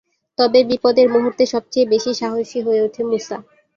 তবে বিপদের মুহূর্তে সবচেয়ে বেশি সাহসী হয়ে উঠে মুসা।